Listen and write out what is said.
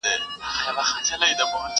هم یې پښې هم یې لاسونه رېږېدله!!